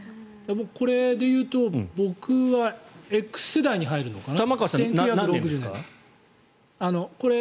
これで言うと僕はＸ世代に入るのかな？